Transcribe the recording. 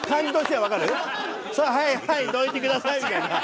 「はいはいどいてください」みたいな。